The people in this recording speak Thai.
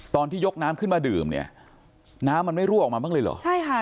ตอนที่ยกน้ำขึ้นมาดื่มน้ำมันไม่รั่วออกมาบ้างเลยเหรอ